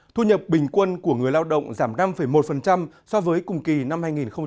thu nhập bình quân của người lao động giảm năm một so với cùng kỳ năm hai nghìn một mươi tám